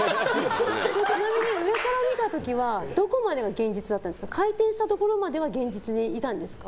ちなみに上から見た時はどこまでが現実だったんですか回転したところまでは現実にいたんですか？